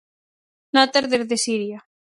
Notas desde Siria.